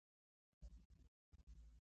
پکول ګو کده پکول ګو کده.